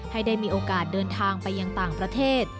ให้ได้มีโอกาสเดินทางไปยังต่างประเทศ